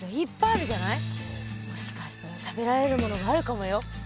もしかしたら食べられるものがあるかもよ。